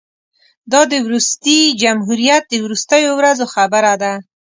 دا د وروستي جمهوریت د وروستیو ورځو خبره ده.